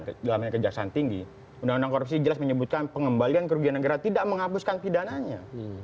karena kejaksaan tinggi undang undang korupsi jelas menyebutkan pengembalian kerugian negara tidak menghapuskan pidananya